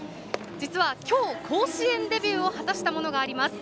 実は今日、甲子園デビューを果たしたものがあります。